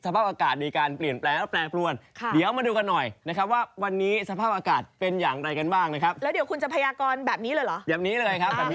เพราะว่าช่วงนี้สภาพอากาศดีกัน